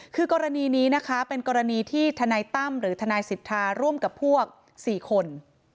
คือกรณีนี้นะคะเป็นกรณีที่ทนายตั้มหรือทนายสิทธาร่วมกับพวก๔คน